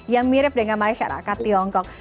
yang mirip dengan masyarakat tiongkok